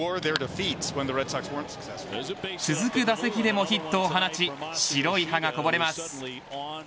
続く打席でもヒットを放ち白い歯がこぼれます。